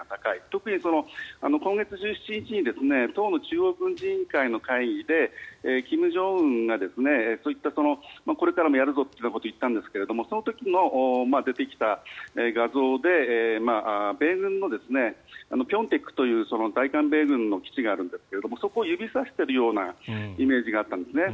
特に今月１１日に党の中央軍事委員会の会議で金正恩がそういったこれからもやるぞってことを言ったんですがその時に出てきた画像で米軍のピョンテクという在韓米軍の基地があるんですがそこを指さしてるようなイメージがあったんですね。